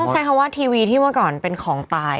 ใช้คำว่าทีวีที่เมื่อก่อนเป็นของตาย